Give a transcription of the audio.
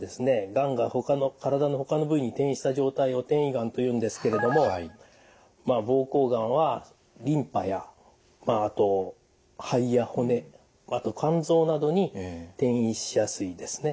がんが体のほかの部位に転移した状態を転移がんというんですけれども膀胱がんはリンパやあと肺や骨あと肝臓などに転移しやすいですね。